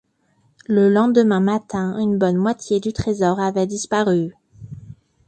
Le lendemain matin une bonne moitié du trésor avait disparu.